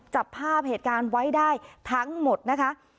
จับภาพเหตุการณ์ไว้ได้ทั้งหมดนะคะ